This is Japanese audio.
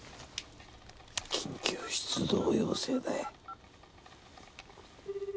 緊急出動要請だよ。